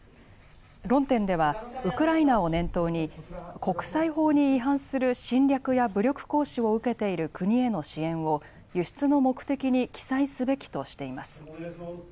論点ではウクライナを念頭に国際法に違反する侵略や武力行使を受けている国への支援を輸出の目的に記載すべきとしています。